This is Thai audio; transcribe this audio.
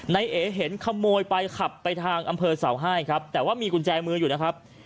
นายเอ๋เห็นขโมยไปขับไปทางอำเภอเสาไห้ครับแต่ว่ามีกุญแจมืออยู่นะครับ